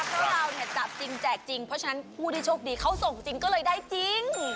ถ้าเราเนี่ยจับจริงแจกจริงเพราะฉะนั้นผู้ที่โชคดีเขาส่งจริงก็เลยได้จริง